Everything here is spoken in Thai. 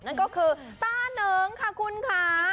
นั่นก็คือตาเหนิงค่ะคุณค่ะ